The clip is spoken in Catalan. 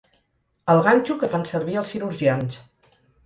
El ganxo que fan servir els cirurgians.